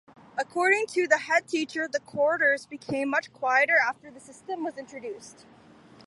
According to the headteacher the corridors became much quieter after the system was introduced.